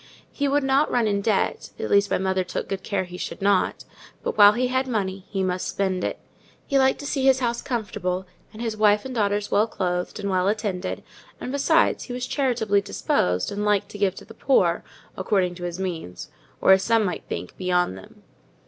He would not run in debt (at least, my mother took good care he should not), but while he had money he must spend it: he liked to see his house comfortable, and his wife and daughters well clothed, and well attended; and besides, he was charitably disposed, and liked to give to the poor, according to his means: or, as some might think, beyond them.